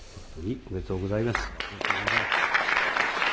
ありがとうございます。